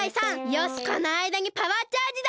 よしこのあいだにパワーチャージだ！